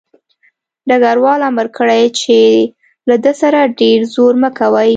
ډګروال امر کړی چې له ده سره ډېر زور مه کوئ